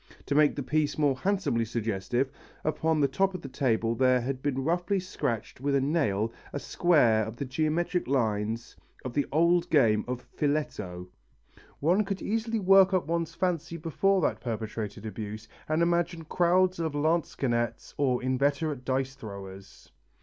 To make the piece more handsomely suggestive, upon the top of the table there had been roughly scratched with a nail a square of the geometrical lines of the old game of "Filetto." One could easily work up one's fancy before that perpetrated abuse and imagine crowds of lansquesnets or inveterate dice throwers.